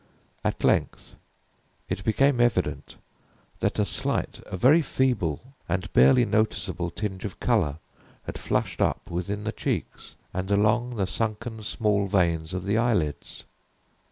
At length it became evident that a slight, a very feeble, and barely noticeable tinge of color had flushed up within the cheeks, and along the sunken small veins of the eyelids.